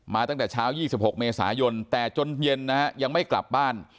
ตั้งแต่เช้า๒๖เมษายนแต่จนเย็นนะฮะยังไม่กลับบ้าน